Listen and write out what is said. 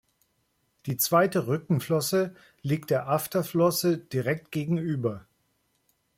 Die zweite Rückenflosse liegt der Afterflosse direkt gegenüber.